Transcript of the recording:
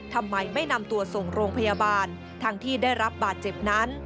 ทำไมไม่นำตัวส่งโรงพยาบาลทั้งที่ได้รับบาดเจ็บนั้น